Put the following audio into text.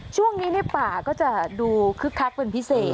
ช่วงนี้ในป่าก็จะดูคึกคักเป็นพิเศษ